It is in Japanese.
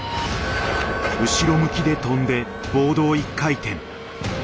後ろ向きで跳んでボードを一回転。